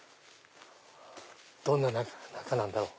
どんな中なんだろう？